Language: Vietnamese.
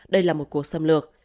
đây là một cuộc xâm lược